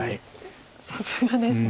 さすがですね。